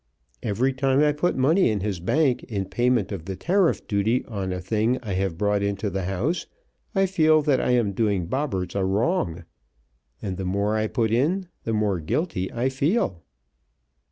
Every time I put money in his bank in payment of the tariff duty on a thing I have brought into the house I feel that I am doing Bobberts a wrong. And the more I put in the more guilty I feel."